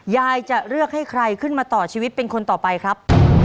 ยายจะเลือกให้ใครขึ้นมาต่อชีวิตเป็นคนต่อไปครับ